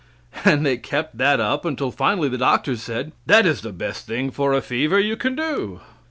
And they kept that up until finally the doctors said, "that is the best thing for a fever you can do."